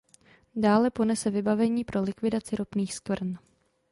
Dále ponese vybavení pro likvidaci ropných skvrn.